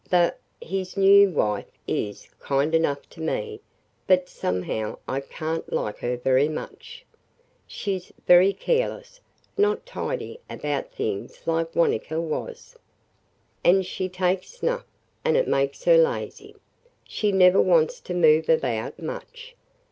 The – his new wife is – kind enough to me but somehow I can't like her very much. She 's very careless – not tidy about things like Wanetka was. And she takes snuff, and it makes her lazy. She never wants to move about much.